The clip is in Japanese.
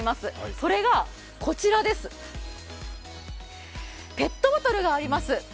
それがこちらです、ペットボトルがあります。